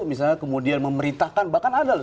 misalnya kemudian memerintahkan bahkan ada loh